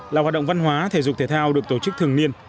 là hoạt động văn hóa thể dục thể thao được tổ chức thường niên